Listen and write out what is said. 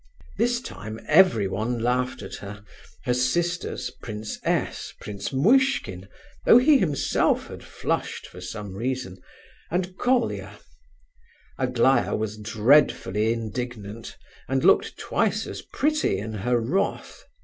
This time everyone laughed at her, her sisters, Prince S., Prince Muishkin (though he himself had flushed for some reason), and Colia. Aglaya was dreadfully indignant, and looked twice as pretty in her wrath.